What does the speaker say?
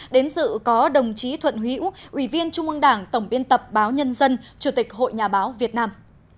đến dự có đồng chí thuận hữu ủy viên trung ương đảng tổng biên tập báo nhân dân chủ tịch hội nhà báo việt nam